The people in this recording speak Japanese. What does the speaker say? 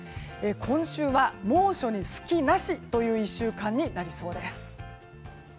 今週は猛暑に隙なしという１週間になりそうです。